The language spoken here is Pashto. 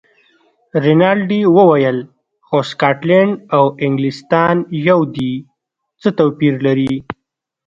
رینالډي وویل: خو سکاټلنډ او انګلیستان یو دي، څه توپیر لري.